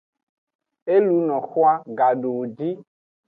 E luno xwan gadowoji.